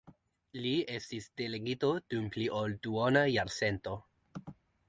Li estis delegito dum pli ol duona jarcento.